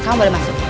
kamu boleh masuk